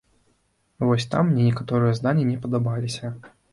Вось там мне некаторыя заданні не падабаліся.